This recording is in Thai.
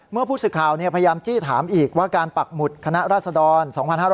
เมื่อผู้สื่อข่าวพยายามจี้ถามอีกว่าการปักหมุดคณะราษดร๒๕๕๙